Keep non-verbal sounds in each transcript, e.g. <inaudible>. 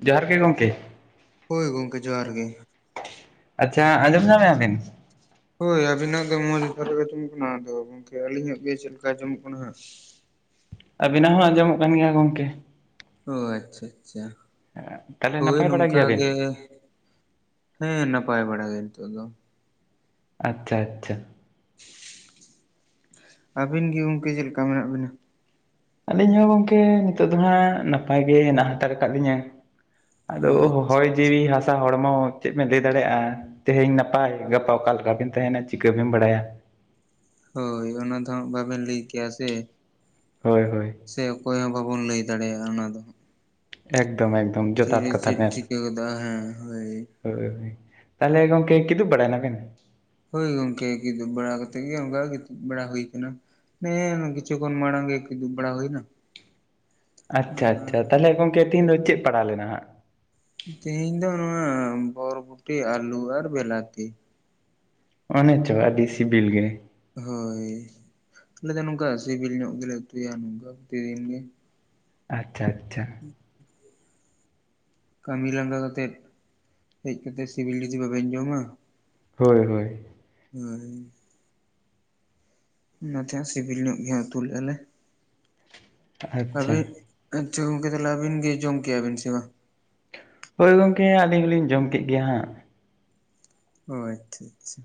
ᱡᱚᱸᱦᱟᱨ ᱜᱮ ᱜᱚᱢᱠᱮ᱾ ᱦᱳᱭ ᱜᱚᱢᱠᱮ ᱡᱚᱸᱦᱟᱨ ᱜᱮ᱾ ᱟᱪᱪᱷᱟ ᱟᱸᱡᱚᱢ ᱧᱟᱢᱮᱜ ᱟᱵᱤᱱ? ᱦᱳᱭ ᱟᱵᱤᱱᱟᱜ ᱫᱚ ᱢᱚᱸᱡᱽ ᱫᱷᱟᱨᱟ ᱜᱮ ᱟᱸᱡᱚᱢᱚᱜ ᱠᱟᱱᱟ᱾ ᱟᱫᱚ ᱜᱚᱝᱠᱮ ᱟᱹᱞᱤᱧᱟᱜ ᱜᱮ ᱪᱮᱫ ᱞᱮᱠᱟ ᱟᱸᱡᱚᱢᱚᱜ ᱠᱟᱱᱟ ᱦᱟᱸᱜ? ᱟᱵᱤᱱᱟᱜ ᱦᱚᱸ ᱟᱸᱡᱚᱢᱚᱜ ᱠᱟᱱ ᱜᱮᱭᱟ ᱜᱚᱢᱠᱮ᱾ ᱚ ᱟᱪᱪᱷᱟ ᱟᱪᱪᱷᱟ ᱛᱟᱦᱚᱞᱮ ᱦᱳᱭ ᱱᱟᱯᱟᱭ ᱵᱟᱲᱟ ᱱᱚᱝᱠᱟ ᱜᱮᱭᱟᱵᱤᱱ ᱜᱮ ᱦᱮᱸ ᱱᱟᱯᱟᱭ ᱵᱟᱲᱟ ᱜᱮ ᱱᱤᱛᱚᱜ ᱫᱚ᱾ ᱟᱪᱪᱷᱟ ᱟᱪᱪᱷᱟ᱾ ᱟᱹᱵᱤᱱ ᱜᱮ ᱜᱚᱝᱠᱮ ᱪᱮᱫ ᱞᱮᱠᱟ ᱢᱮᱱᱟᱜ ᱵᱤᱱᱟ? ᱟᱞᱤᱧ ᱦᱚᱸ ᱜᱚᱝᱠᱮ ᱱᱤᱛᱚᱜ ᱫᱚ ᱦᱟᱸᱜ ᱱᱟᱯᱟᱭ ᱜᱮ ᱦᱮᱱᱟᱜ ᱦᱟᱛᱟᱲ ᱟᱠᱟᱫ ᱞᱤᱧᱟᱹ᱾ ᱟᱫᱚ ᱚ ᱦᱚᱭ ᱡᱤᱣᱤ ᱦᱟᱥᱟ ᱦᱚᱲᱢᱚ ᱪᱮᱫ ᱵᱮᱱ ᱞᱟᱹᱭ ᱫᱟᱲᱮᱭᱟᱜᱼᱟ᱾ ᱛᱮᱦᱮᱧ ᱱᱟᱯᱟᱭ ᱜᱟᱯᱟ ᱚᱠᱟ ᱞᱮᱠᱟ ᱵᱤᱱ ᱛᱟᱦᱮᱱᱟ ᱪᱤᱠᱟᱹ ᱵᱤᱱ ᱵᱟᱲᱟᱭᱟ᱾ ᱦᱳᱭ ᱚᱱᱟ ᱫᱚ ᱦᱟᱸᱜ ᱵᱟᱵᱮᱱ ᱞᱟᱹᱭ ᱠᱮᱭᱟ ᱥᱮ᱾ ᱦᱳᱭ ᱦᱳᱭ᱾ ᱥᱮ ᱚᱠᱚᱭ ᱦᱚᱸ ᱵᱟᱵᱚᱱ ᱞᱟᱹᱭ ᱫᱟᱲᱮᱭᱟᱜᱼᱟ ᱚᱱᱟ ᱫᱚ ᱦᱟᱸᱜ᱾ ᱮᱠᱫᱚᱢ ᱮᱠᱫᱚᱢ᱾ ᱡᱚᱛᱷᱟᱛ ᱛᱤᱨᱮ ᱠᱟᱛᱷᱟ ᱪᱮᱫ ᱵᱮᱱ ᱪᱤᱠᱟᱹ ᱜᱚᱫᱚᱜ-ᱟ᱾ ᱦᱮᱸ ᱦᱳᱭ᱾ ᱦᱳᱭ ᱦᱳᱭ, ᱛᱟᱦᱚᱞᱮ ᱜᱚᱢᱠᱮ ᱠᱤᱫᱩᱵ ᱵᱟᱲᱟᱭ ᱱᱟᱵᱮᱱ? ᱦᱳᱭ ᱜᱚᱝᱠᱮ ᱜᱤᱫᱩᱵ ᱵᱟᱲᱟ ᱠᱟᱛᱮᱜ ᱜᱮ ᱚᱱᱠᱟ ᱜᱤᱛᱤᱡ ᱵᱟᱲᱟ ᱦᱩᱭ ᱠᱟᱱᱟ᱾ ᱦᱮᱸ ᱚᱱᱮ ᱠᱤᱪᱷᱩ ᱠᱷᱚᱱ ᱢᱟᱲᱟᱝ ᱜᱮ ᱠᱤᱫᱩᱵ ᱵᱟᱲᱟ ᱦᱩᱭᱱᱟ᱾ ᱟᱪᱪᱷᱟ ᱟᱪᱪᱷᱟ ᱛᱟᱦᱚᱞᱮ ᱜᱚᱢᱠᱮ ᱛᱤᱦᱤᱧ ᱫᱚ ᱪᱮᱫ ᱯᱟᱲᱟᱣ ᱞᱮᱱᱟ ᱦᱟᱸᱜ? ᱛᱮᱦᱤᱧ ᱫᱚ ᱱᱚᱣᱟ ᱵᱚᱨᱵᱚᱴᱤ, ᱟᱹᱞᱩ ᱟᱨ ᱵᱮᱞᱟᱛᱤ᱾ ᱚᱱᱮ ᱪᱚ ᱟᱹᱰᱤ ᱥᱤᱵᱤᱞ ᱜᱮ᱾ ᱦᱳᱭ ᱟᱞᱮ ᱫᱚ ᱱᱚᱝᱠᱟ ᱥᱤᱵᱤᱞ ᱧᱚᱜ ᱜᱮᱞᱮ ᱩᱛᱩᱭᱟ ᱱᱚᱝᱠᱟ ᱯᱨᱚᱛᱤᱼᱫᱤᱱ ᱜᱮ᱾ ᱟᱪᱪᱷᱟ ᱟᱪᱪᱷᱟ᱾ <inaudible> ᱠᱟᱹᱢᱤ ᱞᱟᱸᱜᱟ ᱠᱟᱛᱮᱫ ᱦᱮᱡ ᱠᱟᱛᱮᱫ ᱥᱤᱵᱤᱞ ᱡᱩᱫᱤ ᱵᱟᱵᱤᱱ ᱡᱚᱢᱟ᱾ ᱦᱳᱭ ᱦᱳᱭ᱾ ᱦᱳᱭ᱾ ᱚᱱᱟᱛᱮ ᱦᱟᱸᱜ ᱥᱤᱵᱤᱞ ᱧᱚᱜ ᱜᱮ ᱦᱟᱸᱜ ᱩᱛᱩ ᱞᱮᱫᱼᱟ ᱞᱮ᱾ ᱛᱚᱵᱮ ᱟᱪᱪᱷᱟ ᱟᱪᱪᱷᱟ ᱜᱚᱝᱠᱮ ᱛᱟᱞᱦᱮ ᱟᱹᱵᱤᱱ ᱜᱮ ᱡᱚᱢ ᱠᱮᱜ-ᱟ ᱵᱤᱱ ᱥᱮ ᱵᱟᱝ? ᱦᱳᱭ ᱜᱚᱢᱠᱮ ᱟᱹᱞᱤᱧ ᱦᱚᱞᱤᱧ ᱡᱚᱢ ᱠᱮᱫ ᱜᱮᱭᱟ ᱦᱟᱸᱜ᱾ ᱚ ᱟᱪᱪᱷᱟ ᱟᱪᱪᱷᱟ᱾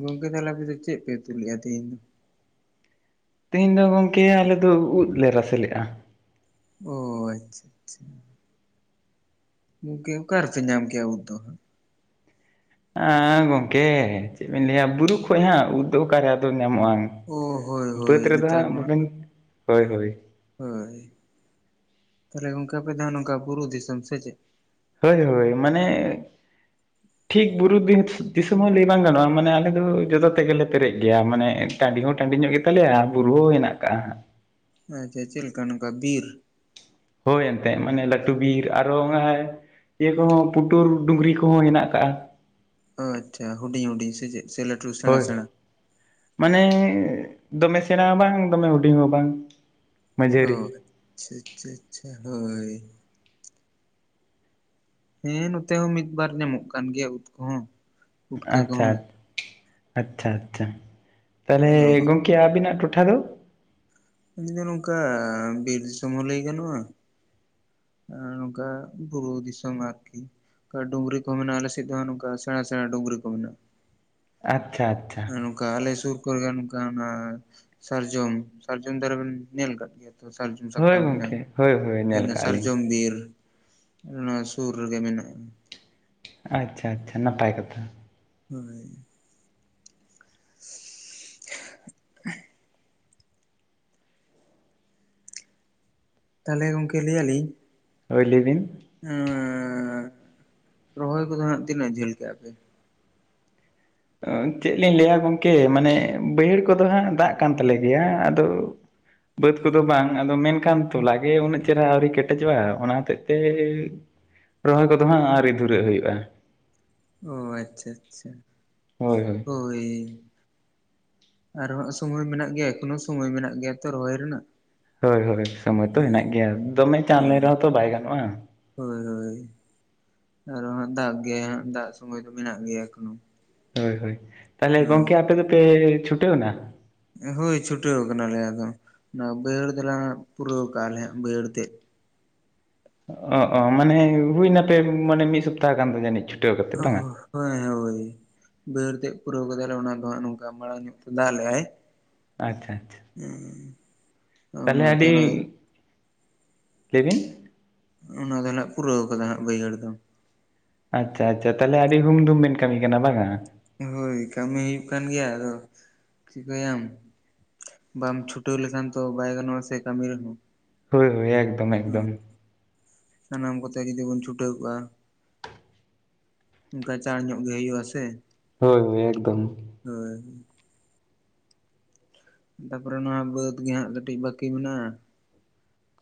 ᱜᱚᱝᱠᱮ ᱛᱟᱞᱮ ᱟᱯᱮᱫᱚ ᱪᱮᱫ ᱯᱮ ᱩᱛᱩ ᱞᱮᱫᱼᱟ ᱛᱮᱦᱮᱧ ᱫᱚ? ᱛᱮᱦᱤᱧ ᱫᱚ ᱜᱚᱝᱠᱮ ᱟᱞᱮ ᱫᱚ ᱩᱫᱽ ᱞᱮ ᱨᱟᱥᱮ ᱞᱮᱜᱼᱟ᱾ ᱚ ᱟᱪᱪᱷᱟ ᱟᱪᱪᱷᱟ᱾ ᱜᱚᱝᱠᱮ ᱚᱠᱟ ᱨᱮᱯᱮ ᱧᱟᱢ ᱠᱮᱜ-ᱟ ᱩᱫᱽ ᱫᱚ ᱦᱟᱸᱜ? ᱦᱮᱸ ᱜᱚᱢᱠᱮ ᱪᱮᱫ ᱵᱤᱱ ᱞᱟᱹᱭᱟ ᱵᱩᱨᱩ ᱠᱷᱚᱡ ᱦᱟᱸᱜ ᱩᱫ ᱫᱚ ᱚᱠᱟᱨᱮ ᱟᱫᱚ ᱧᱟᱢᱚᱜᱼᱟ᱾ ᱚ ᱦᱳᱭ ᱦᱳᱭ ᱵᱟᱹᱫᱽ ᱨᱮᱫᱚ ᱱᱮᱛᱟᱨ ᱦᱟᱸᱜ ᱢᱟ ᱵᱟᱵᱮᱱ ᱦᱳᱭ ᱦᱳᱭ᱾ ᱦᱳᱭ, ᱛᱟᱦᱞᱮ ᱜᱚᱝᱠᱮ ᱟᱯᱮ ᱫᱚ ᱦᱟᱸᱜ ᱱᱚᱝᱠᱟ ᱵᱩᱨᱩ ᱫᱤᱥᱚᱢ ᱥᱮ ᱪᱮᱫ? ᱦᱳᱭ ᱦᱳᱭ ᱢᱟᱱᱮ <inaudible> ᱴᱷᱤᱠ ᱵᱩᱨᱩ ᱫᱤ-ᱫᱤᱥᱚᱢ ᱦᱚᱸ ᱞᱟᱹᱭ ᱵᱟᱝ ᱜᱟᱱᱚᱜᱼᱟ ᱢᱟᱱᱮ ᱟᱞᱮ ᱫᱚ ᱡᱚᱛᱚ ᱛᱮᱜᱮ ᱯᱮ ᱯᱮᱨᱮᱡ ᱜᱮᱭᱟ ᱢᱟᱱᱮ ᱴᱟᱺᱰᱤ ᱦᱚᱸ ᱴᱟᱺᱰᱤ ᱧᱚᱜ ᱜᱮᱛᱟ ᱞᱮᱭᱟ ᱟᱨ ᱵᱩᱨᱩ ᱦᱚᱸ ᱦᱮᱱᱟᱜ ᱠᱟᱜᱼᱟ ᱦᱟᱸᱜ᱾ ᱟᱪᱷᱟ ᱪᱮᱫ ᱞᱮᱠᱟ ᱱᱚᱝᱠᱟ ᱵᱤᱨ? ᱦᱳᱭ ᱮᱱᱛᱮᱜ ᱢᱟᱱᱮ ᱞᱟᱹᱴᱩ ᱵᱤᱨ ᱟᱨ ᱚᱱᱮ ᱤᱭᱟᱹ ᱠᱚᱦᱚᱸ ᱯᱩᱴᱩᱨ ᱰᱩᱝᱨᱤ ᱠᱚᱦᱚᱸ ᱦᱮᱱᱟᱜ ᱠᱟᱜᱼᱟ᱾ ᱟᱪᱪᱷᱟ ᱦᱩᱰᱤᱧ ᱦᱩᱰᱤᱧ ᱥᱮ ᱪᱮᱫ ᱥᱮ ᱞᱟᱹᱴᱩ ᱥᱮᱬᱟ ᱥᱮᱬᱟ? ᱢᱟᱱᱮᱻ ᱫᱚᱢᱮ ᱥᱮᱬᱟ ᱦᱚᱸ ᱵᱟᱝ ᱫᱚᱢᱮ ᱦᱩᱰᱤᱧ ᱦᱚᱸ ᱵᱟᱝ᱾ ᱚ ᱢᱟᱹᱡᱷᱟᱹᱨᱤ ᱟᱪᱷᱟ ᱟᱪᱷᱟ ᱟᱪᱷᱟ ᱦᱳᱭ᱾ ᱦᱮᱸ ᱱᱚᱛᱮ ᱦᱚᱸ ᱢᱤᱫ ᱵᱟᱨ ᱧᱟᱢᱚᱜ ᱠᱟᱱ ᱜᱮᱭᱟ ᱩᱫ ᱠᱚᱦᱚᱸ᱾ ᱯᱩᱴᱠᱟᱹ ᱟᱪᱪᱷᱟ ᱠᱚᱦᱚᱸ ᱟᱪᱪᱷᱟ ᱟᱪᱪᱷᱟ ᱛᱟᱞᱦᱮ ᱟᱫᱚ ᱜᱚᱝ ᱠᱮ ᱟᱹᱵᱤᱱᱟᱜ ᱴᱚᱴᱷᱟ ᱫᱚ? ᱟᱞᱤᱧ ᱫᱚ ᱱᱚᱝᱠᱟ ᱵᱤᱨ ᱫᱤᱥᱚᱢ ᱦᱚᱸ ᱞᱟᱹᱭ ᱜᱟᱱᱚᱜᱼᱟ᱾ ᱟᱨ ᱱᱚᱝᱠᱟ ᱵᱩᱨᱩ ᱫᱤᱥᱚᱢ ᱟᱨᱠᱤ᱾ ᱠᱟ ᱰᱩᱝᱨᱤ ᱠᱚ ᱢᱮᱱᱟᱜᱼᱟ, ᱟᱞᱮ ᱥᱮᱫ ᱫᱚ ᱱᱚᱝᱠᱟ ᱥᱮᱬᱟ ᱥᱮᱬᱟ ᱰᱩᱝᱨᱤ ᱠᱚ ᱢᱮᱱᱟᱜᱼᱟ᱾ ᱟᱪᱪᱷᱟ ᱟᱪᱷ ᱟᱨ ᱱᱚᱝᱠᱟ ᱟᱞᱮ ᱥᱩᱨ ᱠᱚᱨᱮ ᱜᱮ ᱱᱚᱝᱠᱟ ᱚᱱᱟ ᱥᱟᱨᱡᱚᱢ, ᱥᱟᱨᱡᱚᱢ ᱫᱟᱨᱮ ᱵᱤᱱ ᱧᱮᱞ ᱠᱟᱫ ᱜᱮᱭᱟ? ᱛᱚ ᱥᱟᱨᱡᱚᱢ ᱥᱟᱠᱟᱢ ᱦᱳᱭ ᱜᱚᱝᱠᱮ ᱦᱳᱭ ᱦᱳᱭ ᱧᱮᱞ ᱚᱱᱟ ᱠᱟᱜᱼᱟ ᱞᱤᱧ ᱥᱟᱨᱡᱚᱢ ᱵᱤᱨ᱾ ᱚᱱᱟ ᱥᱩᱨ ᱨᱮᱜᱮ ᱢᱮᱱᱟᱜᱼᱟ᱾ ᱟᱪᱪᱷᱟ ᱟᱪᱪᱷᱟ ᱱᱟᱯᱟᱭ ᱠᱟᱛᱷᱟ᱾ ᱦᱳᱭ᱾ <inaudible> ᱛᱟᱦᱞᱮ ᱜᱚᱝᱠᱮ ᱞᱟᱹᱭᱮᱜ ᱟᱞᱤᱧ? ᱦᱳᱭ ᱞᱟᱹᱭ ᱵᱤᱱ᱾ ᱮᱸᱻ ᱨᱚᱦᱚᱭ ᱠᱚᱫᱚ ᱦᱟᱸᱜ ᱛᱤᱱᱟᱹᱜ ᱡᱷᱟᱹᱞ ᱠᱟᱜᱼᱟ ᱯᱮ? ᱚ ᱪᱮᱫ ᱞᱤᱧ ᱞᱟᱹᱭᱼᱟ ᱜᱚᱝᱠᱮ? ᱢᱟᱱᱮ ᱵᱟᱹᱭᱦᱟᱹᱲ ᱠᱚᱫᱚ ᱦᱟᱸᱜ ᱫᱟᱜ ᱠᱟᱱ ᱛᱟᱞᱮ ᱜᱮᱭᱟ, ᱟᱫᱚ ᱵᱟᱹᱫᱽ ᱠᱚᱫᱚ ᱵᱟᱝ, ᱟᱫᱚ ᱢᱮᱱᱠᱷᱟᱱ ᱛᱚᱞᱮ ᱜᱮ ᱩᱱᱟᱹᱜ ᱪᱮᱦᱨᱟ ᱟᱹᱣᱨᱤ ᱠᱮᱴᱮᱡᱚᱜᱼᱟ ᱚᱱᱟ ᱦᱚᱛᱮᱡ ᱛᱮᱻ ᱨᱚᱦᱚᱭ ᱠᱚᱫᱚ ᱦᱟᱸᱜ ᱟᱹᱣᱨᱤ ᱫᱷᱩᱨᱟᱹᱜ ᱦᱩᱭᱩᱜᱼᱟ᱾ ᱚ ᱟᱪᱪᱷᱟ ᱟᱪᱪᱷᱟ᱾ ᱦᱳᱭ ᱦᱳᱭ᱾ ᱦᱳᱭ᱾ ᱟᱨᱚ ᱦᱟᱸᱜ ᱥᱳᱢᱳᱭ ᱢᱮᱱᱟᱜ ᱜᱮᱭᱟ, ᱮᱠᱷᱚᱱᱳ ᱥᱳᱢᱳᱭ ᱢᱮᱱᱟᱜ ᱜᱮᱭᱟ ᱛᱚ ᱨᱚᱦᱚᱭ ᱨᱮᱱᱟᱜ᱾ ᱦᱳᱭ ᱦᱳᱭ ᱥᱚᱢᱚᱭ ᱛᱚ ᱦᱳᱭ ᱦᱮᱱᱟᱜ ᱜᱮᱭᱟ, ᱫᱚᱢᱮ ᱪᱟᱸᱲ ᱞᱮ ᱦᱳᱭ ᱨᱮᱦᱚᱸ ᱛᱚ ᱵᱟᱭ ᱜᱟᱱᱚᱜᱼᱟ᱾ ᱦᱳᱭ ᱦᱳᱭ ᱟᱨᱚ ᱦᱟᱸᱜ ᱫᱟᱜ ᱜᱮᱭᱟᱭ ᱦᱟᱸᱜ ᱫᱟᱜ ᱥᱳᱢᱳᱭ ᱫᱚ ᱢᱮᱱᱟᱜ ᱜᱮᱭᱟ ᱮᱠᱷᱚᱱᱳ᱾ ᱦᱳᱭ ᱦᱳᱭ ᱛᱟᱦᱞᱮ ᱦᱳᱭ ᱜᱚᱝᱠᱮ ᱟᱯᱮ ᱫᱚ ᱯᱮ ᱪᱷᱩᱴᱟᱹᱣ ᱮᱱᱟ? ᱦᱳᱭ ᱪᱷᱩᱴᱟᱹᱣ ᱠᱟᱱᱟ ᱞᱮ ᱟᱫᱚ, ᱚᱱᱟ ᱵᱟᱹᱭᱦᱟᱹᱲ ᱫᱷᱟᱨᱮ ᱦᱟᱸᱜ ᱯᱩᱨᱟᱹᱣ ᱠᱟᱜᱼᱟ ᱞᱮ ᱵᱟᱹᱭᱦᱟᱹᱲ ᱛᱮᱫ᱾ ᱚ ᱚ ᱢᱟᱱᱮ ᱦᱩᱭ ᱱᱟ ᱯᱮ ᱫᱤᱱ ᱢᱟᱱᱮ ᱢᱤᱫ ᱥᱚᱯᱛᱟᱦᱚ ᱜᱟᱱ ᱫᱚ ᱡᱟᱹᱱᱤᱡ ᱪᱚ? ᱚᱦ ᱦᱳᱭ ᱦᱳᱭ᱾ ᱵᱟᱹᱭᱦᱟᱹᱲ ᱛᱮᱫ ᱯᱩᱨᱟᱹᱣ ᱠᱟᱫᱟ ᱞᱮ, ᱚᱱᱟ ᱫᱚ ᱦᱟᱸᱜ ᱱᱚᱝᱠᱟ ᱢᱟᱬᱟᱝ ᱧᱚᱜ ᱛᱮ ᱫᱟᱜ ᱞᱮᱜᱼᱟᱭ ᱾ ᱟᱪᱪᱷᱟ ᱟᱪᱪᱷᱟ᱾ ᱦᱩᱸᱻ᱾ ᱛᱟᱦᱞᱮ ᱟᱹᱰᱤ, ᱞᱟᱹᱭ ᱵᱤᱱ᱾ ᱚᱱᱟ ᱫᱚ ᱱᱟᱦᱟᱜ ᱯᱩᱨᱟᱹᱣ ᱠᱟᱫᱟ ᱦᱟᱸᱜ ᱵᱟᱹᱭᱦᱟᱹᱲ ᱫᱚ᱾ ᱟᱪᱪᱷᱟ ᱟᱪᱪᱷᱟ ᱛᱟᱦᱞᱮ ᱟᱹᱰᱤ ᱦᱩᱢ ᱫᱩᱢ ᱵᱤᱱ ᱠᱟᱹᱢᱤ ᱠᱟᱱᱟ ᱵᱟᱝᱼᱟ? ᱦᱳᱭ ᱠᱟᱹᱢᱤ ᱦᱩᱭᱩᱜ ᱠᱟᱱ ᱜᱮᱭᱟ, ᱟᱫᱚ ᱪᱤᱠᱟᱹᱭᱟᱢ? ᱵᱟᱢ ᱪᱷᱩᱴᱟᱹᱣ ᱞᱮᱠᱷᱟᱱ ᱛᱚ ᱵᱟᱭ ᱜᱟᱱᱚᱜᱼᱟ ᱥᱮ ᱠᱟᱹᱢᱤ ᱨᱮ ᱦᱚᱸ᱾ ᱦᱳᱭ ᱦᱳᱭ, ᱮᱠᱫᱚᱢ ᱮᱠᱫᱚᱢ᱾ ᱥᱟᱱᱟᱢ ᱠᱚᱛᱮ ᱡᱩᱫᱤ ᱵᱚᱱ ᱪᱷᱩᱴᱟᱹᱣ ᱠᱚᱜᱼᱟ᱾ ᱜᱟᱡᱟᱲ ᱧᱚᱜ ᱜᱮ ᱦᱩᱭᱩᱜ-ᱟ ᱟᱥᱮ᱾ ᱦᱳᱭ ᱦᱳᱭ ᱮᱠᱫᱚᱢ᱾ ᱦᱳᱭ ᱛᱟᱯᱚᱨᱮ ᱱᱚᱣᱟ ᱵᱟᱹᱫᱽ ᱜᱮ ᱦᱟᱸᱜ ᱠᱟᱹᱴᱤᱡ ᱵᱟᱹᱠᱤ ᱢᱮᱱᱟᱜ-ᱟ᱾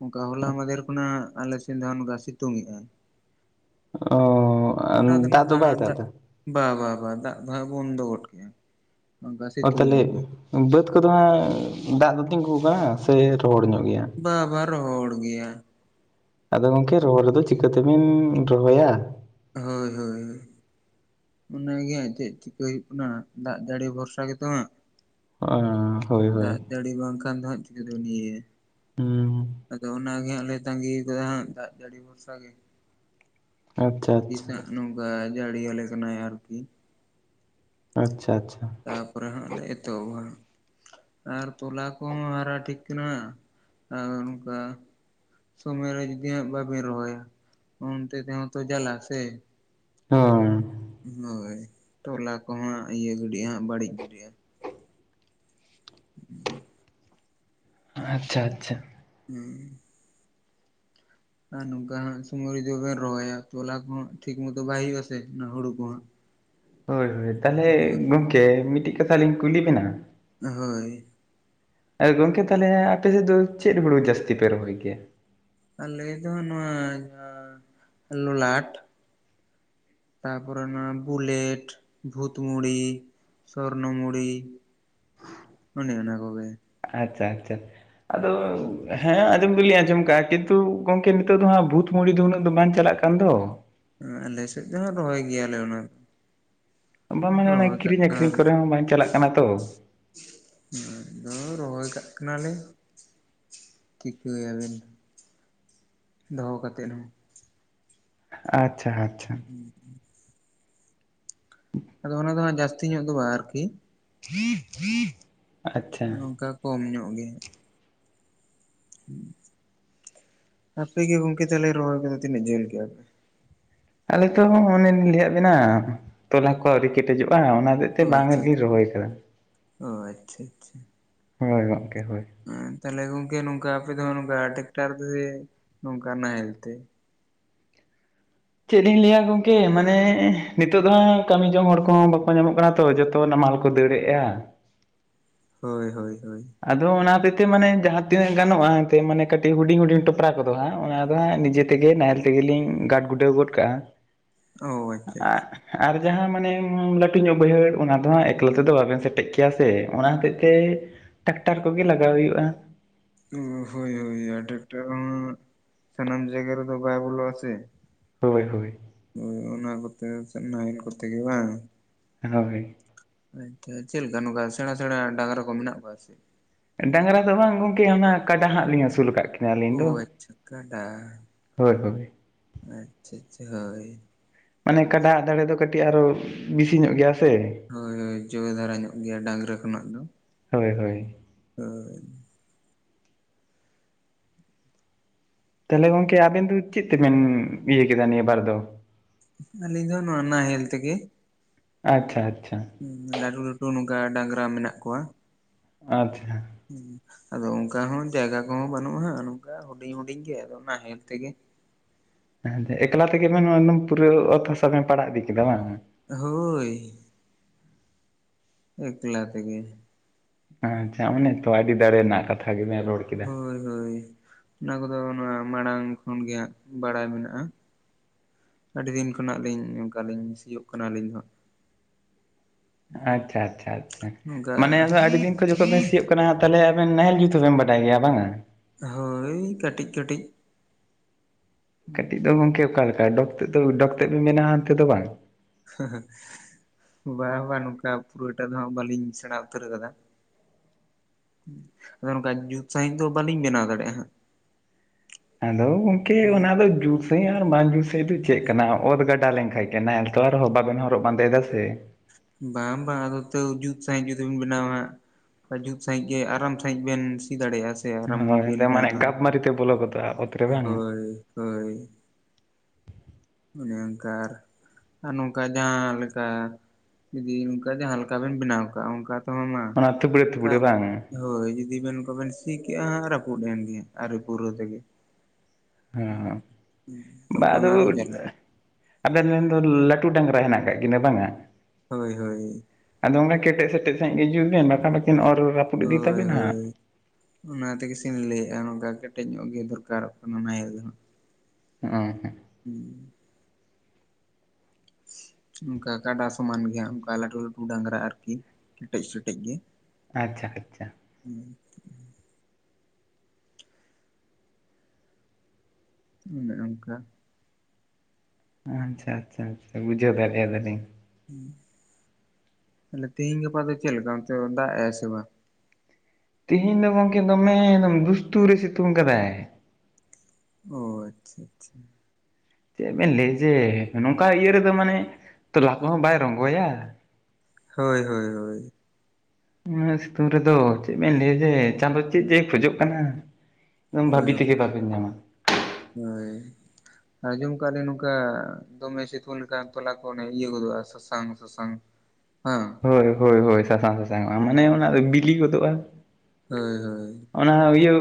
ᱚᱱᱠᱟ ᱦᱚᱞᱟ ᱢᱟᱫᱷᱮᱨ ᱠᱷᱚᱱᱟᱜ ᱟᱞᱮ ᱥᱮᱱ ᱫᱚ ᱦᱟᱸᱜ ᱱᱚᱝᱠᱟ ᱥᱤᱛᱩᱝ ᱮᱜ-ᱟᱭ᱾ ᱚ ᱜᱚᱴᱟ ᱫᱟᱜ ᱱᱚᱝᱠᱟ ᱫᱚ ᱵᱟᱭ ᱦᱟᱸᱜ ᱫᱟᱜ ᱫᱟ᱾ ᱵᱟ ᱵᱟ ᱫᱟᱜ ᱫᱚ ᱦᱟᱸᱜ ᱵᱚᱱᱫᱚ ᱜᱚᱫ ᱠᱮᱫ ᱟᱭ᱾ ᱚ ᱛᱟᱦᱞᱮ ᱵᱟᱹᱫᱽ ᱠᱚ ᱫᱚ ᱦᱚᱸ ᱫᱟᱜ ᱫᱚ ᱛᱤᱜᱩ ᱠᱟᱱᱟ ᱥᱮ ᱨᱚᱦᱚᱲ ᱧᱚᱜ ᱜᱮᱭᱟ? ᱵᱟ ᱵᱟ ᱨᱚᱦᱚᱲ ᱜᱮᱭᱟ᱾ ᱟᱫᱚ ᱜᱚᱝᱠᱮ ᱨᱚᱦᱚᱲ ᱨᱮᱫᱚ ᱪᱤᱠᱟᱹ ᱛᱮᱵᱤᱱ ᱨᱚᱦᱚᱭᱟ᱾ ᱦᱳᱭ ᱦᱳᱭ ᱚᱱᱟ ᱜᱮ ᱦᱟᱸᱜ ᱪᱮᱫ ᱪᱤᱠᱟᱹ ᱦᱩᱭᱩᱜ ᱠᱟᱱᱟ ᱫᱟᱜ ᱡᱟᱹᱲᱤ ᱵᱷᱚᱨᱥᱟ ᱜᱮ ᱛᱚ ᱦᱟᱸᱜ᱾ ᱚ ᱦᱳᱭ ᱫᱟᱜ ᱦᱳᱭ᱾ ᱡᱟᱹᱲᱤ ᱵᱟᱝ ᱠᱷᱟᱱ ᱫᱚ ᱦᱟᱸᱜ ᱪᱤᱠᱟᱹ ᱛᱮᱢ ᱤᱭᱟᱹ ᱭᱟ ᱦᱩᱸ ᱟᱫᱚ ᱚᱱᱟ ᱜᱮ ᱦᱟᱸᱜ ᱞᱮ ᱛᱟᱺᱜᱤ ᱠᱟᱫᱟ ᱦᱟᱸᱜ ᱫᱟᱜ ᱡᱟᱹᱲᱤ ᱵᱷᱚᱨᱥᱟ ᱜᱮ ᱟᱪᱪᱷᱟ ᱛᱤᱥ ᱟᱪᱪᱷᱟ ᱦᱟᱸᱜ ᱱᱚᱝᱠᱟ ᱡᱟᱹᱲᱤ ᱟᱞᱮ ᱠᱟᱱᱟᱭ ᱟᱨᱠᱤ᱾ ᱟᱪᱪᱷᱟ ᱟᱪᱪᱷᱟ᱾ ᱛᱟᱯᱚᱨᱮ ᱦᱟᱸᱜ ᱞᱮ ᱮᱛᱚᱦᱚᱵᱟ ᱦᱟᱸᱜ ᱟᱨ ᱛᱚᱞᱟ ᱠᱚᱦᱚᱸ ᱦᱟᱨᱟ ᱴᱷᱤᱠ ᱠᱟᱱᱟ ᱟᱨ ᱚᱱᱠᱟ ᱥᱩᱢᱚᱭ ᱨᱮ ᱡᱩᱫᱤ ᱦᱟᱸᱜ ᱵᱟᱵᱤᱱ ᱨᱚᱦᱚᱭᱟ ᱚᱱᱛᱮ ᱛᱮ ᱦᱚᱸ ᱛᱚ ᱡᱟᱞᱟ ᱥᱮ <unintelligible> ᱦᱳᱭ ᱛᱚᱞᱟ ᱠᱚ ᱦᱟᱸᱜ ᱤᱭᱟᱹ ᱜᱟᱹᱰᱤ ᱦᱟᱸᱜ ᱵᱟᱹᱲᱤᱡ ᱜᱤᱰᱤ-ᱟ᱾ <unintelligible> ᱟᱪᱪᱷᱟ ᱟᱪᱪᱷᱟ᱾ ᱦᱩᱸ ᱟᱨ ᱱᱚᱝᱠᱟ ᱥᱚᱢᱚᱭ ᱨᱮ ᱡᱩᱫᱤ ᱵᱟᱵᱤᱱ ᱨᱚᱦᱚᱭᱟ ᱛᱚᱞᱟ ᱠᱚᱦᱚᱸ ᱴᱷᱤᱠ ᱢᱚᱛᱚ ᱵᱟᱭ ᱦᱩᱭᱩᱜ ᱟᱥᱮ ᱚᱱᱟ ᱦᱩᱲᱩ ᱠᱚ ᱦᱚᱸ ᱦᱳᱭ ᱦᱳᱭ ᱛᱟᱦᱞᱮ ᱜᱚᱝᱠᱮ ᱢᱤᱫ ᱴᱮᱡ ᱠᱟᱛᱷᱟ ᱞᱤᱧ ᱠᱩᱞᱤ ᱵᱮᱱᱟ᱾ ᱦᱳᱭ ᱟᱨ ᱜᱚᱝᱠᱮ ᱛᱟᱦᱞᱮ ᱟᱯᱮ ᱥᱮᱫ ᱫᱚ ᱪᱮᱫ ᱦᱩᱲᱩ ᱡᱟᱹᱥᱛᱤ ᱯᱮ ᱨᱚᱦᱚᱭ ᱜᱮᱭᱟ? ᱟᱞᱮ ᱫᱚ ᱱᱚᱣᱟ ᱡᱟᱦᱟᱸ ᱞᱚᱞᱟᱴ᱾ ᱛᱟᱨᱯᱚᱨᱮ ᱚᱱᱟ ᱵᱩᱞᱮᱴ, ᱵᱷᱩᱛ ᱢᱩᱲᱤ, ᱥᱚᱨᱱᱚ ᱢᱩᱲᱤ ᱚᱱᱮ ᱚᱱᱟ ᱠᱚᱜᱮ᱾ ᱟᱪᱪᱷᱟ ᱟᱪᱪᱷᱟ᱾ ᱟᱫᱚ ᱦᱮᱸ ᱟᱸᱡᱚᱢ ᱫᱚᱞᱤᱧ ᱟᱸᱡᱚᱢ ᱠᱟᱜ-ᱟ ᱠᱤᱱᱛᱩ ᱜᱚᱝᱠᱮ ᱱᱤᱛᱚᱜ ᱫᱚ ᱦᱟᱸᱜ ᱵᱷᱩᱛ ᱢᱩᱲᱤ ᱫᱚ ᱩᱱᱟᱹᱜ ᱫᱚ ᱵᱟᱝ ᱪᱟᱞᱟᱜ ᱠᱟᱱ ᱫᱚ᱾ ᱟᱞᱮ ᱥᱮᱫ ᱫᱚ ᱦᱟᱸᱜ ᱨᱚᱦᱚᱭ ᱜᱮᱭᱟᱞᱮ ᱚᱱᱟ᱾ ᱵᱟᱝ ᱢᱟᱱᱮ ᱫᱚ᱾ ᱚᱱᱮ ᱨᱚᱦᱚᱭ ᱠᱟᱜ ᱠᱤᱨᱤᱧ ᱟᱹᱠᱷᱨᱤᱧ ᱠᱟᱱᱟᱞᱮ ᱠᱚᱨᱮ ᱦᱚᱸ ᱵᱟᱝ ᱪᱟᱞᱟᱜ ᱠᱟᱱᱟ ᱛᱚ᱾ ᱟᱫᱚ ᱨᱚᱦᱚᱭ ᱠᱟᱜ ᱠᱟᱱᱟᱞᱮ᱾ ᱪᱤᱠᱟᱹᱭᱟ ᱵᱮᱱ ᱫᱚᱦᱚ ᱠᱟᱛᱮᱫ ᱦᱚᱸ᱾ ᱟᱪᱪᱷᱟ ᱟᱪᱪᱷᱟ᱾ ᱦᱩᱸ <unintelligible> ᱟᱫᱚ ᱚᱱᱟ ᱫᱚ ᱦᱟᱸᱜ ᱡᱟᱹᱥᱛᱤ ᱧᱚᱜ ᱫᱚ ᱵᱟᱝ ᱟᱨᱠᱤ᱾ <unintelligible> ᱟᱪᱪᱷᱟ ᱱᱚᱝᱠᱟ ᱠᱚᱢ ᱧᱚᱜ ᱜᱮ᱾ ᱟᱯᱮ ᱜᱮ ᱜᱚᱝᱠᱮ ᱛᱟᱦᱞᱮ ᱨᱚᱦᱚᱭ ᱠᱚᱫᱚ ᱛᱤᱱᱟᱹᱜ ᱡᱷᱟᱹᱞ ᱠᱮᱜᱼᱟ ᱯᱮ? ᱟᱞᱮ ᱛᱚ ᱚᱱᱮᱞᱤᱧ ᱞᱟᱹᱭᱟᱫ ᱵᱮᱱᱟ, ᱛᱚᱞᱟ ᱠᱚ ᱟᱣᱨᱤ ᱠᱮᱴᱮᱡᱚᱜᱼᱟ᱾ ᱚᱱᱟ ᱨᱮ ᱛᱮ ᱚ ᱵᱟᱝ ᱟᱪᱪᱷᱟ ᱜᱤᱞᱤᱧ ᱨᱚᱦᱚᱭ ᱟᱠᱟᱫᱟ ᱾ ᱚ ᱟᱪᱪᱷᱟ ᱪᱷᱟ ᱾ ᱦᱳᱭ ᱜᱚᱢᱠᱮ ᱦᱳᱭ᱾ ᱦᱮᱸ ᱛᱟᱦᱚᱞᱮ ᱜᱚᱝᱠᱮ ᱱᱚᱝᱠᱟ ᱟᱯᱮ ᱫᱚ ᱱᱚᱝᱠᱟ ᱴᱮᱠᱴᱟᱨ ᱛᱮ ᱱᱚᱝᱠᱟ ᱥᱮ ᱱᱟᱦᱮᱞ ᱛᱮ? ᱪᱮᱫ ᱤᱧ ᱞᱟᱹᱭᱟ ᱜᱚᱝᱠᱮ, ᱢᱟᱱᱮ ᱱᱤᱛᱚᱜ ᱫᱚ ᱦᱟᱜ ᱠᱟᱹᱢᱤ ᱡᱚᱝ ᱦᱚᱲ ᱠᱚᱦᱚᱸ ᱵᱟᱠᱚ ᱧᱟᱢᱚᱜ ᱠᱟᱱᱟ, ᱛᱚ ᱡᱚᱛᱚ ᱛᱚ ᱱᱟᱢᱟᱞ ᱠᱚ ᱫᱟᱹᱲᱮᱜᱼᱟ ᱾ ᱦᱳᱭ ᱦᱳᱭ ᱦᱳᱭ, ᱟᱫᱚ ᱚᱱᱟ ᱦᱚᱛᱮ ᱛᱮ ᱢᱟᱱᱮ ᱡᱟᱦᱟᱸ ᱛᱤᱱᱟᱹᱜ ᱜᱟᱱᱚᱜᱼᱟ, ᱮᱸᱛᱮ ᱢᱟᱱᱮ ᱠᱟᱹᱴᱤᱡ ᱦᱩᱰᱤᱧ ᱦᱩᱰᱤᱧ ᱴᱚᱯᱨᱟ ᱠᱚᱫᱚ ᱦᱟᱸᱜ ᱚᱱᱟ ᱫᱚ ᱦᱟᱸᱜ ᱱᱤᱡᱮ ᱛᱮᱜᱮ ᱱᱟᱦᱮᱞ ᱛᱮᱜᱮᱞᱤᱧ ᱜᱟᱰ ᱜᱩᱰᱟᱹᱣ ᱜᱚᱫ ᱠᱟᱜᱼᱟ ᱾ <inaudible> ᱟᱪᱪᱷᱟ ᱟᱨ ᱟᱪᱪᱷᱟ ᱟᱨ ᱡᱟᱦᱟᱸ ᱢᱟᱱᱮ ᱞᱟᱹᱴᱩ ᱧᱚᱜ ᱵᱟᱹᱭᱦᱟᱹᱲ, ᱚᱱᱟ ᱫᱚ ᱦᱟᱸᱜ ᱮᱠᱞᱟ ᱛᱮᱫᱚ ᱵᱟᱵᱮᱱ ᱥᱮᱴᱮᱡᱽ ᱠᱮᱭᱟ ᱥᱮ ᱚᱱᱟ ᱦᱚᱛᱮᱡ ᱛᱮ ᱴᱟᱠᱴᱟᱨ ᱠᱚᱜᱮ ᱞᱟᱜᱟᱣ ᱦᱩᱭᱩᱜᱼᱟ ᱾ ᱦᱳᱭ ᱦᱳᱭ, ᱴᱟᱠᱴᱟᱨ ᱦᱚᱸ ᱥᱟᱱᱟᱢ ᱡᱟᱭᱜᱟ ᱨᱮᱫᱚ ᱵᱚᱞᱚᱜᱼᱟ ᱥᱮ᱾ ᱦᱳᱭ ᱦᱳᱭ, ᱚᱱᱟ ᱠᱚᱛᱮ ᱪᱮ ᱱᱟᱦᱮᱞ ᱠᱚᱛᱮ ᱜᱮ ᱵᱟᱝ? ᱦᱚᱭ, ᱟᱪᱷᱟ ᱪᱮᱫᱞᱮᱠᱟ ᱱᱚᱝᱠᱟ ᱥᱮᱬᱟ ᱥᱮᱬᱟ ᱰᱟᱝᱜᱨᱟ ᱠᱚ ᱢᱮᱱᱟᱜ ᱠᱚᱣᱟ ᱥᱮ? ᱰᱟᱝᱨᱟ ᱫᱚ ᱵᱟᱝ ᱜᱚᱝᱠᱮ ᱦᱟᱱᱟ ᱠᱟᱰᱟ ᱦᱟᱸᱜ ᱞᱤᱧ ᱟᱹᱥᱩᱞ ᱟᱠᱟᱫ ᱠᱤᱱᱟ ᱾ ᱚ ᱟᱪᱪᱷᱟ, ᱠᱟᱰᱟ ᱦᱳᱭ ᱦᱳᱭ ᱟᱪᱪᱷᱟ ᱪᱷᱟ ᱦᱳᱭ ᱾ ᱢᱟᱱᱮ ᱠᱟᱰᱟᱣᱟᱜ ᱫᱟᱲᱮ ᱫᱚ ᱠᱟᱹᱴᱤᱡ ᱟᱨᱚ ᱵᱤᱥᱤ ᱧᱚᱜ ᱜᱮᱭᱟ ᱥᱮ ᱾ ᱦᱳᱭ ᱦᱳᱭ ᱡᱚᱨ ᱫᱷᱟᱨᱟ ᱧᱚᱜ ᱜᱮᱭᱟ ᱰᱟᱝᱨᱟ ᱠᱷᱚᱱᱟᱜ ᱫᱚ, ᱦᱳᱭ ᱦᱳᱭ, ᱦᱳᱭ ᱛᱟᱦᱚᱞᱮ ᱜᱚᱝᱠᱮ ᱟᱵᱮᱱ ᱫᱚ ᱪᱮᱫ ᱛᱮᱵᱮᱱ ᱤᱭᱟᱹ ᱠᱮᱫᱟ ᱱᱤᱭᱟᱹ ᱵᱟᱨ ᱫᱚ? ᱟᱞᱤᱧ ᱫᱚ ᱦᱟᱸᱜ ᱱᱚᱣᱟ ᱱᱟᱦᱮᱞ ᱛᱮᱜᱮ ᱾ ᱟᱪᱪᱷᱟ ᱟᱪᱪᱷᱟ, ᱞᱟᱹᱴᱩ ᱞᱟᱹᱴᱩ ᱱᱚᱝᱠᱟ ᱰᱟᱝᱨᱟ ᱢᱮᱱᱟᱜ ᱠᱚᱣᱟ ᱾ ᱟᱪᱪᱷᱟ, ᱦᱮ ᱟᱫᱚ ᱚᱱᱠᱟ ᱦᱚᱸ ᱡᱟᱭᱜᱟ ᱠᱚᱦᱚᱸ ᱵᱟᱹᱱᱩᱜᱼᱟ, ᱱᱚᱝᱠᱟ ᱦᱩᱰᱤᱧ ᱦᱩᱰᱤᱧ ᱜᱮ ᱟᱫᱚ ᱱᱟᱦᱮᱞ ᱛᱮᱜᱮ ᱾ ᱦᱮᱸ ᱮᱠᱞᱟ ᱛᱮᱜᱮ ᱵᱮᱱ ᱯᱩᱨᱟᱹᱣ ᱚᱛ ᱦᱟᱥᱟ ᱵᱮᱱ ᱯᱟᱲᱟᱜ ᱤᱫᱤ ᱠᱮᱫᱟ ᱵᱟᱝ? ᱦᱳᱭ᱾ ᱮᱠᱞᱟ ᱛᱮᱜᱮ᱾ ᱟᱪᱦᱟ, ᱚᱱᱮ ᱛᱚ ᱟᱹᱰᱤ ᱫᱟᱲᱮ ᱨᱮᱱᱟᱜ ᱠᱟᱛᱦᱟ ᱜᱮ ᱵᱤᱱ ᱨᱚᱲ ᱾ ᱦᱳᱭ ᱦᱳᱭ, ᱚᱱᱟ ᱠᱚᱫᱚ ᱱᱚᱣᱟ ᱢᱟᱲᱟᱝ ᱠᱷᱚᱱ ᱜᱮ ᱦᱟᱸᱜ ᱵᱟᱲᱟᱭ ᱢᱮᱱᱟᱜᱼᱟ ᱾ ᱟᱹᱰᱤ ᱫᱤᱱ ᱠᱷᱚᱱᱟᱜ ᱞᱤᱧ ᱚᱱᱠᱟᱞᱤᱧ ᱥᱤᱭᱳᱜ ᱠᱟᱱᱟ ᱟᱹᱞᱤᱧ ᱫᱚ ᱦᱟᱜ ᱾ ᱟᱪᱪᱷᱟ ᱟᱪᱪᱷᱟ ᱟᱪᱪᱷᱟ, ᱱᱚᱝᱠᱟ ᱢᱟᱱᱮ ᱟᱹᱰᱤ ᱫᱤᱱ ᱠᱷᱚᱱ ᱡᱚᱠᱷᱚᱱ ᱵᱮᱱ ᱥᱤᱭᱳᱜ ᱠᱟᱱᱟ ᱛᱟᱦᱚᱞᱮ ᱟᱵᱮᱱ ᱱᱟᱦᱮᱞ ᱡᱩᱛ ᱦᱚ ᱵᱮᱱ ᱵᱟᱰᱟᱭ ᱜᱮᱭᱟ ᱵᱟᱝᱼᱟ? ᱦᱳᱭ ᱠᱟᱹᱴᱤᱡ ᱠᱟᱹᱴᱤᱡ᱾ ᱠᱟᱹᱴᱤᱡ ᱫᱚ ᱜᱚᱢᱠᱮ ᱚᱠᱟ ᱞᱮᱠᱟ, ᱰᱚᱠ ᱛᱮᱫ ᱫᱚ ᱰᱚᱠᱛᱚᱨ ᱵᱮᱱᱟᱣᱟ ᱦᱟᱱᱛᱮ ᱫᱚ ᱵᱟᱝ, ᱦᱮᱸ ᱦᱮᱸ᱾ ᱵᱟ ᱵᱟᱝ ᱱᱚᱝᱠᱟ ᱯᱩᱨᱟᱹᱴᱟᱜ ᱫᱚ ᱦᱟᱜ ᱵᱟᱹᱞᱤᱧ ᱥᱮᱬᱟ ᱩᱛᱟᱹᱨ ᱟᱠᱟᱫᱟ ᱾ ᱟᱫᱚ ᱱᱚᱝᱠᱟ ᱡᱩᱛ ᱥᱟᱺᱦᱤᱡ ᱫᱚ ᱵᱟᱹᱞᱤᱧ ᱵᱮᱱᱟᱣ ᱫᱟᱲᱮᱭᱟᱜᱼᱟ ᱦᱟᱸᱜ ᱾ ᱟᱫᱚ ᱜᱚᱢᱠᱮ ᱚᱱᱟ ᱫᱚ ᱡᱩᱛ ᱥᱟᱺᱦᱤᱡ ᱟᱨ ᱵᱟᱝ ᱡᱩᱛ ᱥᱟᱺᱦᱤᱡ ᱫᱚ ᱪᱮᱫ ᱠᱟᱱᱟ ᱚᱛ᱾ ᱠᱟᱴᱟ ᱞᱮᱱᱠᱷᱟᱡ ᱜᱮ ᱮᱠᱞᱟ ᱨᱮᱦᱚᱸ ᱵᱟᱵᱮᱱ ᱦᱚᱨᱚᱜ ᱵᱟᱸᱫᱮᱭᱟ ᱥᱮ ᱵᱟᱝ ᱵᱟᱝ ᱟᱫᱚ ᱛᱚ ᱡᱩᱛ ᱥᱟᱺᱦᱤᱡ ᱡᱩᱫᱤᱵᱤᱱ ᱵᱮᱱᱟᱣᱼᱟ᱾ ᱡᱩᱛ ᱥᱟᱹᱦᱤᱡ ᱜᱮ ᱟᱨᱟᱢ ᱥᱟᱹᱦᱤᱡ ᱵᱮᱱ ᱥᱤ ᱫᱟᱲᱮᱭᱟᱜᱼᱟ᱾ ᱥᱮ ᱟᱨᱟᱢ ᱵᱮᱱ ᱦᱚ ᱢᱟᱱᱮ ᱧᱟᱢᱟ ᱜᱷᱟᱯ ᱢᱟᱨᱛᱮ ᱵᱚᱞ ᱜᱚᱫᱚᱜᱼᱟ᱾ ᱨᱮ ᱵᱟᱝ ᱦᱳᱭ ᱦᱳᱭ ᱚᱱᱮ ᱚᱝᱠᱟᱨ᱾ ᱟᱨ ᱱᱚᱝᱠᱟ ᱡᱟᱦᱟᱸ ᱞᱮᱠᱟ ᱡᱩᱫᱤ ᱱᱚᱝᱠᱟ ᱡᱟᱦᱟᱸ ᱞᱮᱠᱟ ᱵᱮᱱ ᱵᱮᱱᱟᱣ ᱠᱟᱜ ᱚᱱᱠᱟ᱾ ᱛᱚᱦᱚ ᱢᱟ ᱚᱱᱟ ᱛᱷᱩᱵᱲᱟᱹ ᱛᱷᱩᱵᱲᱟᱹ ᱵᱟᱝ ᱦᱳᱭ ᱡᱩᱫᱤ ᱵᱮᱱ ᱠᱚᱵᱮᱱ ᱥᱤ ᱠᱮᱜᱼᱟᱜ ᱨᱟᱹᱯᱩᱫ ᱮᱱ ᱜᱮ ᱟᱨᱮ ᱯᱩᱨᱟᱹ ᱛᱮᱜᱮ᱾ ᱦᱮᱸ ᱵᱟ ᱛᱚᱠᱷᱚᱱ ᱚᱫᱚ᱾ ᱟᱨᱚ ᱡᱟᱞᱟ ᱟᱵᱮᱱ ᱨᱮᱱ ᱫᱚ ᱞᱟᱹᱴᱩ ᱰᱟᱝᱨᱟ ᱦᱮᱱᱟᱜ ᱠᱟᱫ ᱠᱤᱱᱟᱹ ᱵᱟᱝᱼᱟ᱾ ᱦᱳᱭ ᱦᱳᱭ ᱟᱫᱚ ᱚᱱᱠᱟ ᱠᱮᱴᱮᱡ ᱥᱮᱴᱮᱡ ᱥᱟᱸᱹᱦᱤᱡ ᱜᱮ ᱡᱩᱛᱵᱮᱱ ᱵᱟᱠᱷᱟᱱ ᱠᱤᱱ ᱚᱨ ᱨᱟᱯᱩᱼᱼ ᱦᱳᱭ ᱦᱳᱭ ᱚᱱᱟ ᱛᱮᱜᱤᱥᱤᱧ ᱞᱟᱹᱭᱼᱟ ᱱᱚᱝᱠᱟ ᱠᱮᱴᱮᱡ ᱧᱚᱜ ᱜᱮ ᱫᱚᱨᱠᱟᱨᱚᱜ ᱠᱟᱱᱟ ᱱᱟᱦᱮᱞ ᱫᱚ ᱦᱟᱸᱜ᱾ <unintelligible> ᱦᱩᱸ ᱚᱱᱠᱟ ᱠᱟᱰᱟ ᱥᱚᱢᱟᱱ ᱜᱮᱟᱸ ᱚᱱᱠᱟ ᱞᱟᱹᱴᱩ ᱞᱟᱹᱴᱩ ᱰᱟᱝᱨᱟ ᱟᱨᱠᱤ ᱠᱮᱴᱮᱡ ᱠᱮᱴᱮᱡ ᱜᱮ᱾ ᱟᱪᱪᱷᱟ ᱟᱪᱪᱷᱟ ᱦᱩᱸ ᱚᱱᱮ ᱚᱱᱠᱟ ᱟᱪᱪᱷᱟ ᱟᱪᱪᱷᱟ ᱟᱪᱪᱷᱟ ᱵᱩᱡᱷᱟᱹᱣ ᱫᱟᱲᱮᱭᱟ ᱫᱟᱞᱤᱧ᱾ ᱦᱩᱸ ᱛᱮᱦᱤᱧ ᱜᱟᱯᱟ ᱫᱚ ᱪᱮᱫ ᱞᱮᱠᱟ ᱚᱱᱛᱮ ᱫᱟᱜ ᱮᱟᱭ ᱥᱮ ᱵᱟᱝ᱾ ᱛᱮᱦᱮᱧ ᱫᱚ ᱜᱚᱢᱠᱮ ᱫᱚᱢᱮ ᱮᱫᱚᱢ ᱫᱩᱥᱛᱩ ᱨᱮ ᱥᱤᱛᱩᱝ ᱠᱟᱫᱟᱭ᱾ ᱚ ᱟᱪᱪᱷᱟ ᱟᱪᱪᱷᱟ ᱪᱮᱫ ᱵᱮᱱ ᱞᱟᱹᱭ ᱡᱮ ᱱᱚᱝᱠᱟ ᱤᱭᱟᱹ ᱨᱮᱫᱚ ᱢᱟᱱᱮ ᱛᱚᱞᱟ ᱠᱚᱦᱚᱸ ᱵᱟᱭ ᱨᱚᱝᱜᱚᱭᱟ᱾ ᱦᱳᱭ ᱦᱳᱭ ᱦᱳᱭ ᱩᱱᱟᱹᱜ ᱥᱤᱛᱩᱝ ᱨᱮᱫᱚ ᱪᱮᱫ ᱵᱮᱱ ᱞᱟᱹᱭᱟ ᱡᱮ ᱪᱟᱸᱫᱚᱳ ᱪᱮᱫ ᱪᱮ ᱠᱷᱚᱡᱚᱜ ᱠᱟᱱᱟ᱾ ᱦᱳᱭ ᱵᱷᱟᱵᱤ ᱛᱮᱜᱮ ᱵᱟᱵᱮᱱ ᱧᱟᱢᱟ᱾ ᱦᱳᱭ ᱟᱸᱡᱚᱢ ᱠᱟᱞᱤᱧ ᱱᱚᱝᱠᱟ ᱫᱚᱢᱮ ᱥᱤᱛᱩᱝ ᱛᱚᱞᱟ ᱠᱚ ᱤᱭᱟᱹ ᱜᱚᱫᱚᱜᱼᱟ᱾ ᱥᱟᱥᱟᱝ ᱥᱟᱥᱟᱝ ᱦᱮᱸ᱾ ᱦᱳᱭ ᱦᱳᱭ ᱦᱳᱭ ᱥᱟᱥᱟᱝ ᱥᱟᱥᱟᱝ ᱢᱟᱱᱮ ᱚᱱᱟ ᱵᱤᱞᱤ ᱜᱚᱫᱚᱜᱼᱟ᱾ ᱦᱳᱭ ᱦᱳᱭ ᱚᱱᱟ ᱤᱭᱟᱹ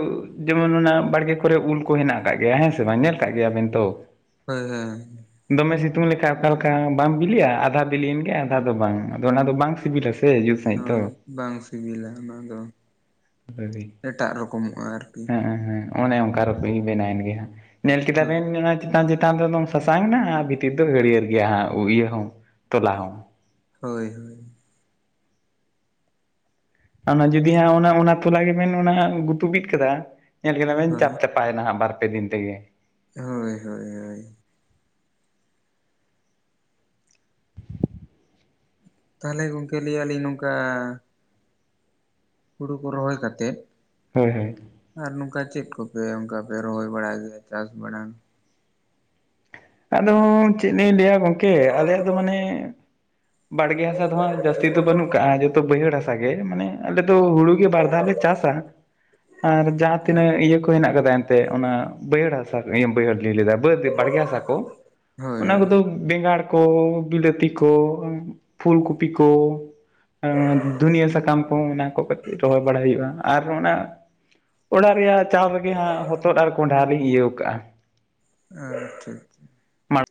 ᱡᱮᱢᱚᱱ ᱚᱱᱟ ᱵᱟᱲᱜᱮ ᱠᱚᱨᱮ ᱩᱞ ᱠᱚ ᱦᱮᱱᱟᱜ ᱟᱠᱟᱫ ᱜᱮᱭᱟ ᱦᱮᱸ ᱥᱮ ᱵᱟᱝ ᱧᱮᱞ ᱠᱟᱜ ᱜᱮᱭᱟᱵᱮᱱ ᱛᱚ᱾ <unintelligible> ᱫᱚᱢᱮ ᱥᱤᱛᱩᱝ ᱞᱮᱠᱟ ᱚᱠᱟ ᱞᱮᱠᱟ ᱵᱟᱢ ᱵᱤᱞᱤᱜᱼᱟ ᱟᱫᱷᱟ ᱵᱤᱞᱤᱭᱮᱱ ᱜᱮ ᱟᱫᱷᱟ ᱫᱚ ᱵᱟᱝ ᱟᱫᱚ ᱚᱱᱟ ᱫᱚ ᱵᱟᱝ ᱥᱤᱵᱤᱞᱟ᱾ ᱥᱮ ᱡᱩᱛ ᱥᱟᱺᱦᱤᱡ ᱫᱚ ᱦᱳᱭ ᱵᱟᱝ ᱥᱤᱵᱤᱞᱟ ᱚᱱᱟ ᱫᱚ ᱦᱳᱭ ᱮᱴᱟᱜ ᱨᱚᱠᱚᱢᱚᱜᱼᱟ ᱟᱨᱠᱤ᱾ ᱦᱮᱸ ᱦᱮᱸ ᱚᱱᱮ ᱚᱱᱠᱟ ᱨᱩᱯ ᱵᱮᱱᱟᱣᱮᱱ ᱜᱮ ᱦᱟᱜ ᱧᱮᱞ ᱠᱮᱫᱟ ᱵᱮᱱ᱾ ᱦᱳᱭ ᱪᱮᱛᱟᱱ ᱪᱮᱛᱟᱱ ᱨᱮᱫᱚᱢ ᱥᱟᱥᱟᱝ ᱮᱱᱟ ᱵᱷᱤᱛᱤᱨ ᱫᱚ ᱦᱟᱹᱨᱭᱟᱹᱲ ᱜᱮᱭᱟ ᱦᱟᱸᱜ ᱤᱭᱟᱹ ᱦᱚᱸ ᱛᱚᱞᱟ ᱦᱚᱸ᱾ ᱦᱳᱭ ᱦᱳᱭ ᱚᱱᱟ ᱡᱩᱫᱤ ᱚᱱᱟ ᱚᱱᱟ ᱛᱚᱞᱟ ᱜᱮᱵᱮᱱ ᱚᱱᱟ ᱜᱩᱛᱩ ᱵᱤᱫ ᱠᱮᱫᱟ ᱧᱮᱞ ᱠᱮᱫᱟ ᱵᱮᱱ ᱦᱳᱭ ᱪᱟᱯ ᱪᱟᱯ᱾ ᱯᱟᱭᱱᱟ ᱵᱟᱨ ᱯᱮ ᱫᱤᱱ ᱛᱮᱜᱮ᱾ ᱦᱳᱭ ᱦᱳᱭ ᱦᱳᱭ᱾ ᱛᱟᱦᱚᱞᱮ ᱜᱚᱝᱠᱮ ᱞᱟᱹᱭ ᱟᱹᱞᱤᱧ ᱱᱚᱝᱠᱟ᱾ ᱦᱩᱲᱳ ᱠᱚ ᱨᱚᱦᱚᱭ ᱠᱟᱛᱮᱫ ᱦᱳ ᱦᱳᱭ, ᱟᱨ ᱱᱚᱝᱠᱟ ᱪᱮᱫ ᱠᱚᱯᱮ ᱚᱱᱠᱟ ᱯᱮ ᱨᱚᱦᱚᱭ ᱵᱟᱲᱟᱭ ᱜᱮᱭᱟ ᱪᱟᱥ ᱵᱟᱲᱟ? ᱟᱫᱚ ᱪᱮᱫ ᱞᱤᱧ ᱞᱟᱹᱭᱟ ᱜᱚᱝᱠᱮ ᱟᱞᱮᱭᱟᱜ ᱫᱚ ᱢᱟᱱᱮ ᱵᱟᱲᱜᱮ ᱦᱟᱥᱟ ᱫᱚ ᱦᱟᱸᱜ ᱡᱟᱹᱥᱛᱤ ᱫᱚ ᱵᱟᱹᱱᱩᱜ ᱠᱟᱜᱼᱟ ᱡᱚᱛᱚ ᱵᱟᱹᱭᱦᱟᱹᱲ ᱦᱟᱥᱟ ᱜᱮ ᱢᱟᱱᱮ ᱟᱞᱮ ᱫᱚ ᱦᱩᱲᱩ ᱜᱮ ᱵᱟᱨ ᱫᱷᱟᱣ ᱞᱮ ᱪᱟᱥᱟ ᱾ <inaudible> ᱟᱨ ᱡᱟᱦᱟᱸ ᱦᱩᱸ ᱛᱤᱱᱟᱹᱜ ᱤᱭᱟᱹ ᱠᱚ ᱦᱮᱱᱟᱜ ᱠᱟᱫᱟ ᱾ ᱛᱮ ᱚᱱᱟ ᱵᱟᱹᱭᱦᱟᱹᱲ ᱦᱟᱥᱟ ᱵᱟᱹᱭᱦᱟᱹᱲ ᱞᱟᱹᱭ ᱞᱮᱫᱟ ᱵᱟᱹᱫᱽ ᱵᱟᱲᱜᱮ ᱦᱟᱥᱟ ᱠᱚ ᱦᱳᱭ ᱚᱱᱟ ᱠᱚᱫᱚ ᱵᱮᱸᱜᱟᱲ ᱾ ᱠᱚ ᱵᱤᱞᱟᱹᱛᱤ ᱠᱚ ᱯᱷᱩᱞᱠᱩᱯᱤ ᱠᱚ ᱾ <inaudible> ᱫᱷᱩᱱᱤᱭᱟᱹ ᱥᱟᱠᱟᱢ ᱠᱚ ᱚᱱᱟ ᱠᱚ ᱠᱟᱹᱴᱤᱡ ᱨᱚᱦᱚᱭ ᱵᱟᱲᱟᱟᱭ ᱦᱩᱭᱩᱜᱼᱟ ᱟᱨ ᱚᱱᱟ ᱚᱲᱟᱜ ᱨᱮᱭᱟᱜ ᱪᱟᱣ ᱨᱮᱜᱮ ᱦᱟᱸᱜ ᱦᱚᱛᱚᱫ ᱟᱨ ᱠᱚᱸᱰᱷᱟ ᱞᱤᱧ ᱤᱭᱟᱹ ᱠᱟᱜᱼᱟ ᱾ ᱟ ᱴᱷᱤᱠ ᱜᱮᱭᱟ ᱾